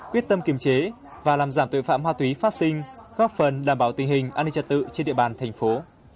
quyết tâm kiềm chế và làm giảm tội phạm ma túy phát sinh góp phần đảm bảo tình hình an ninh trật tự trên địa bàn thành phố